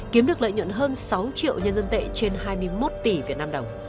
kiếm được lợi nhuận hơn sáu triệu nhân dân tệ trên hai mươi một tỷ việt nam đồng